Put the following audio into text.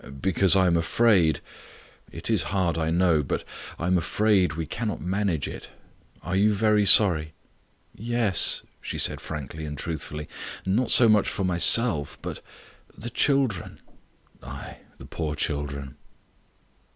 "Because I am afraid it is hard, I know but I am afraid we cannot manage it. Are you very sorry?" "Yes," she said frankly and truthfully. "Not so much for myself, but the children." "Ay, the poor children."